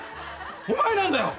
お前なんだよ。